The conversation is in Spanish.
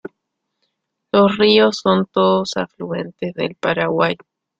Los ríos son todos afluentes del Paraguay.